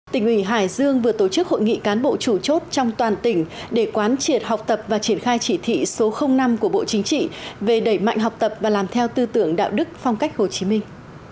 tỉnh ủy hải dương vừa tổ chức hội nghị cán bộ chủ chốt trong toàn tỉnh để quán triệt học tập và triển khai chỉ thị số năm của bộ chính trị về đẩy mạnh học tập và làm theo tư tưởng đạo đức phong cách hồ chí minh